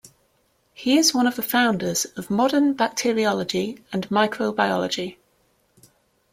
He is one of the founders of modern bacteriology and microbiology.